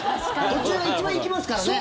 途中が一番生きますからね。